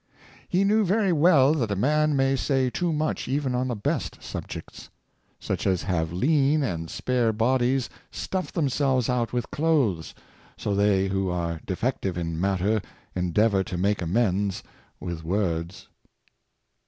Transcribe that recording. He knew v^ery well that a man may say too much even on the best subjects. Such as have lean and spare bodies stuff themselves out with clothes; so they who are defective in matter endeavor to make amends with words."